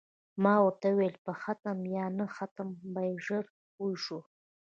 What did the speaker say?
ما ورته وویل: په ختم یا نه ختم به یې ژر پوه شو.